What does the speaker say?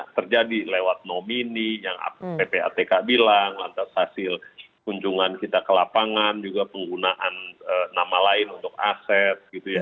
terjadi lewat nomini yang ppatk bilang lantas hasil kunjungan kita ke lapangan juga penggunaan nama lain untuk aset gitu ya